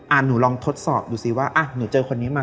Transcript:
หนูลองทดสอบดูสิว่าอ่ะหนูเจอคนนี้มา